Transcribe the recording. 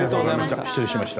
失礼しました。